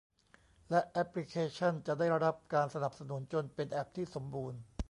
และแอปพลิเคชั่นจะได้รับการสนับสนุนจนเป็นแอปที่สมบูรณ์